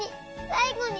「さいごに」